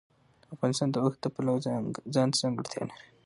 افغانستان د اوښ د پلوه ځانته ځانګړتیا لري.